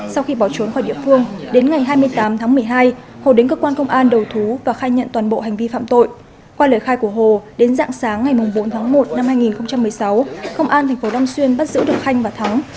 sau khi bỏ trốn khỏi địa phương đến ngày hai mươi tám tháng một mươi hai hồ đến cơ quan công an đầu thú và khai nhận toàn bộ hành vi phạm tội qua lời khai của hồ đến dạng sáng ngày bốn tháng một năm hai nghìn một mươi sáu công an tp long xuyên bắt giữ được khanh và thắng